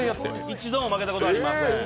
一度も負けたことがありません。